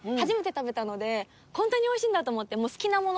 初めて食べたのでこんなにおいしいんだと思って。